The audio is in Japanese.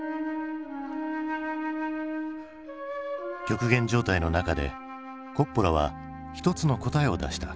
極限状態の中でコッポラは一つの答えを出した。